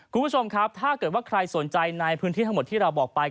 คุณผู้ชมครับถ้าเกิดว่าใครสนใจในพื้นที่ทั้งหมดที่เราบอกไป